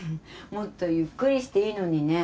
もっとゆっくりしていいのにね。